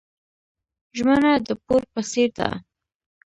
ژمنه د پور په څیر ده.